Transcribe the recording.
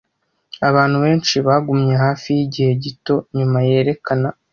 Abantu benshi bagumye hafi yigihe gito nyuma yerekana.